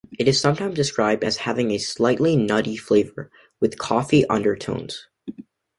It is sometimes described as having a slightly nutty flavour, with "coffee undertones".